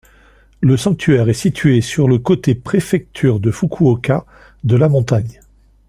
Le sanctuaire est situé sur le côté préfecture de Fukuoka de la montagne.